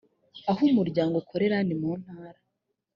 aho umuryango ukorera ni mu ntara